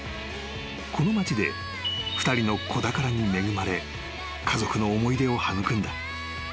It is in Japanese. ［この町で２人の子宝に恵まれ家族の思い出を育んだ］